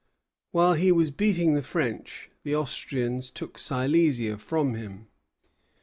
While he was beating the French, the Austrians took Silesia from him.